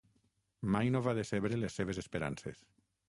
Mai no va decebre les seves esperances.